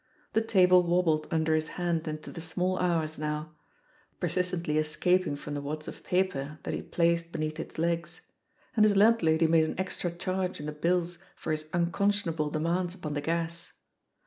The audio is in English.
The table wobbled under his hand into the small houra ^ow — ^persistently escaping from the wads of paper that he placed beneath its legs — and his landlady made an extra charge in the bills for his imconscionable demands upon the gas.